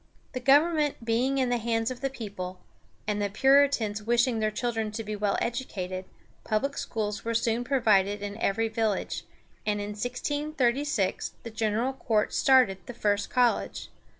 The government being in the hands of the people, and the Puritans wishing their children to be well educated, public schools were soon provided in every village, and in 1636 the General Court started the first college.